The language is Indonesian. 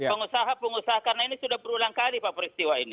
pengusaha pengusaha karena ini sudah berulang kali pak peristiwa ini